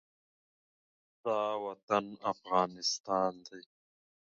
دا وطن افغانستان دی.